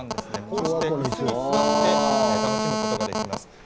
こうして、いすに座って楽しむことができます。